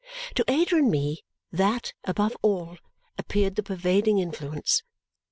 To Ada and to me, that above all appeared the pervading influence.